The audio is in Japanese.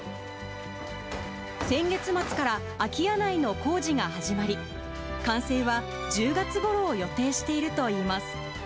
先月末から空き家内の工事が始まり、完成は１０月ごろを予定しているといいます。